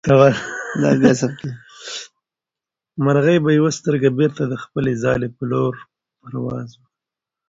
مرغۍ په یوه سترګه بېرته د خپلې ځالې په لور پرواز وکړ.